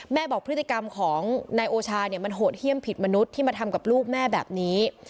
บอกพฤติกรรมของนายโอชาเนี่ยมันโหดเยี่ยมผิดมนุษย์ที่มาทำกับลูกแม่แบบนี้